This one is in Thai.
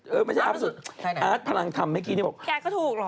เออไม่ใช่เอาอาร์ดพลังธรรมเมื่อกี้เลยพี่อาร์ดก็ถูกหรอ